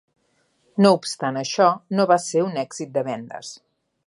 No obstant això, no va ser un èxit de vendes.